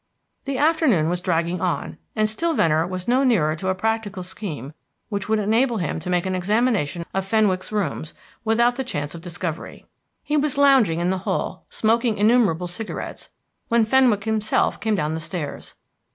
The afternoon was dragging on, and still Venner was no nearer to a practical scheme which would enable him to make an examination of Fenwick's rooms without the chance of discovery. He was lounging in the hall, smoking innumerable cigarettes, when Fenwick himself came down the stairs.